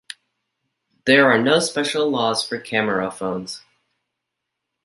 There are no special laws for camera phones.